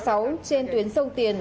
trên tuyến sông tiền